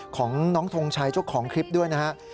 ของน้องทงชัยเจ้าของคลิปด้วยนะครับ